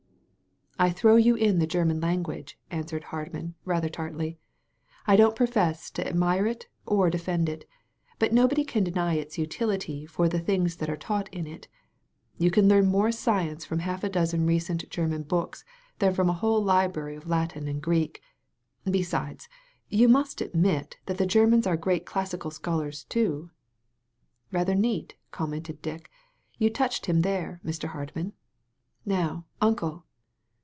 "I throw you in the German language," answered Hardman, rather tartly. "I don't profess to ad mire it or defend it. But nobody can deny its utility for the things that are taught in it. You can learn more science from half a dozen recent Grerman books than from a whole library of Latin and Greek. Be sides, you must admit that the Germans are great classical sdiolars too." "Rather neat,'* commented Dick; "you toudied him there, Mr. Hardman. Now, Uncle!"